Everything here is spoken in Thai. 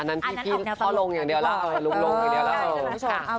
อันนั้นพี่พ่อลงอย่างเดียวแล้ว